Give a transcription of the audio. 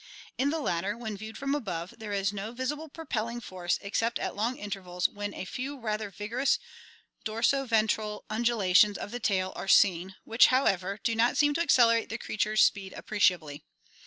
In the latter, when viewed from above, there is no visible propelling force except at long intervals when a few rather vigorous dorso ventral undulations of the tail are seen which, however, do not seem to accelerate the creature's speed appreciably.